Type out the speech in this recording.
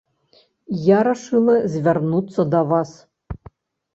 Я рашыла звярнуцца да вас.